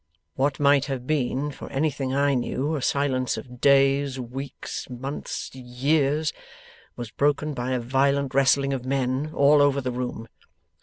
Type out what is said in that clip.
What might have been, for anything I knew, a silence of days, weeks, months, years, was broken by a violent wrestling of men all over the room.